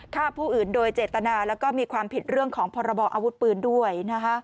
ฆ่าผู้อื่นโดยเจตนาแล้วก็มีความผิดเรื่องของพรบออาวุธปืนด้วย